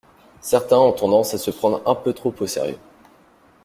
Certains ont tendance à se prendre un peu trop au sérieux.